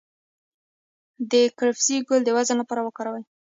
د کرفس ګل د وزن لپاره وکاروئ